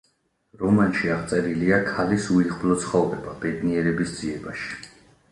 რომანში აღწერილია ქალის უიღბლო ცხოვრება ბედნიერების ძიებაში.